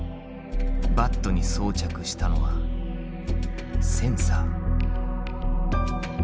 バットに装着したのはセンサー。